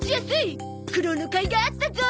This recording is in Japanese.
苦労のかいがあったゾ！